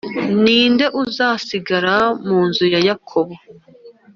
Ni nde uzasigara mu nzu ya Yakobo